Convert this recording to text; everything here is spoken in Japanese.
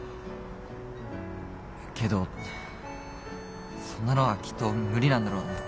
けどそんなのはきっと無理なんだろうな。